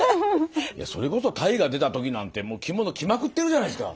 それこそ大河出た時なんて着物着まくってるじゃないですか。